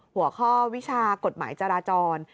หัวข้อวิชากฎหมายจราจร